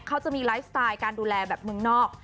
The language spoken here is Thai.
เขาจะมีไลฟ์สไตล์การดูแลแบบเมืองนอก